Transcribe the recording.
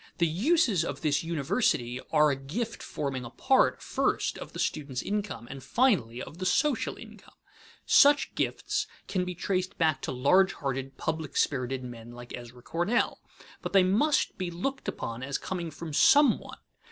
The uses of this university are a gift forming a part, first, of the student's income, and, finally, of the social income. Such gifts can be traced back to large hearted, public spirited men like Ezra Cornell, but they must be looked upon as coming from some one.